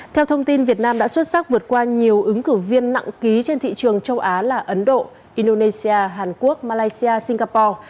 theo thông tin việt nam đã xuất sắc vượt qua nhiều ứng cử viên nặng ký trên thị trường châu á là ấn độ indonesia hàn quốc malaysia singapore